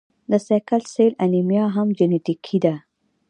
د سیکل سیل انیمیا هم جینیټیکي ده.